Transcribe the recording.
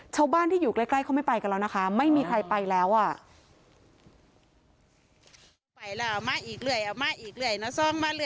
ชาวบ้านที่อยู่ใกล้เขาไม่ไปกันแล้วนะคะ